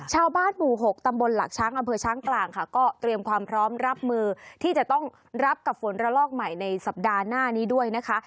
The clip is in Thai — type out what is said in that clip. ชาวบ้านหมู่๖ตำบลหลักช้างอำเภอช้างกลางค่ะก็เตรียมความพร้อมรับมือที่จะต้องรับกับฝนระลอกใหม่ในสัปดาห์หน้านี้ด้วยนะคะ